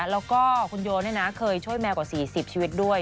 แล้วก็คุณโยเคยช่วยแมวกว่า๔๐ชีวิตด้วย